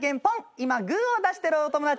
今グーを出してるお友達。